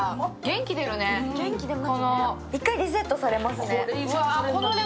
一回リセットされますね。